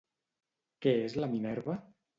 Què és la Minerva?